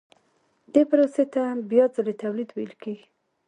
دې پروسې ته بیا ځلي تولید ویل کېږي